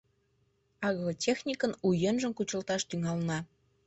Агротехникын у йӧнжым кучылташ тӱҥална.